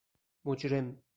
مجرم